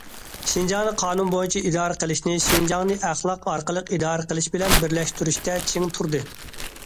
شىنجاڭنى قانۇن بويىچە ئىدارە قىلىشنى شىنجاڭنى ئەخلاق ئارقىلىق ئىدارە قىلىش بىلەن بىرلەشتۈرۈشتە چىڭ تۇردى.